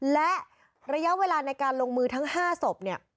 และระยะเวลาในการลงมือทั้ง๕ศพเนี่ย